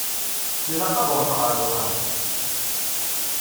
Ilaq ad ṛuḥeɣ ar uxxam.